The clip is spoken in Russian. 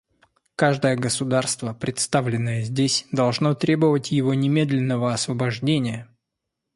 Каждое государство, представленное здесь, должно требовать его немедленного освобождения.